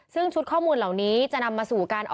ซึ่งชุดข้อมูลเหล่านี้จะนำมาสู่การ